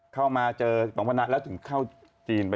เข้ามาเจอสิบสองพันนาแล้วถึงเข้าจีนไป